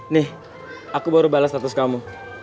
nih aku baru balas status kamu